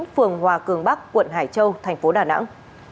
phường hòa cường bắc quận hải châu thành phố đà nẵng